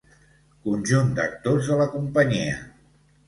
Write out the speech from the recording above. Conjunt d'actors de la companyia.